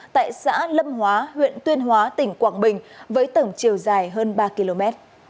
tại xã lâm hóa huyện tuyên hóa tỉnh quảng bình với tổng chiều dài hơn ba km